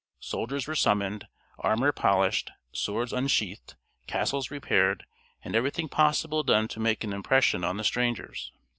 Soldiers were summoned, armor polished, swords unsheathed, castles repaired, and everything possible done to make an impression on the strangers.